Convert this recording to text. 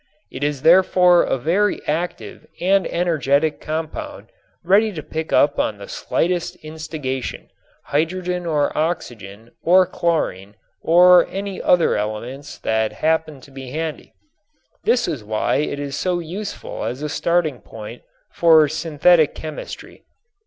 It is therefore a very active and energetic compound, ready to pick up on the slightest instigation hydrogen or oxygen or chlorine or any other elements that happen to be handy. This is why it is so useful as a starting point for synthetic chemistry.